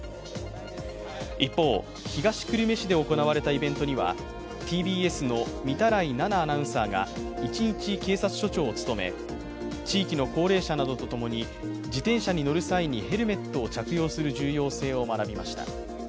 一方、東久留米市で行われたイベントにはＴＢＳの御手洗菜々アナウンサーが一日警察署長を務め、地域の高齢者などと共に自転車に乗る際にヘルメットを着用する重要性を学びました。